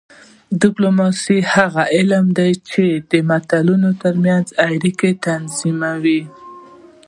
ډیپلوماسي هغه علم دی چې د ملتونو ترمنځ اړیکې تنظیموي